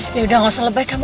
ya udah gak usah lebek kamu